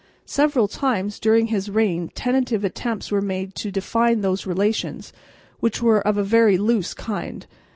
Several times during his reign tentative attempts were made to define those relations, which were of a very loose kind.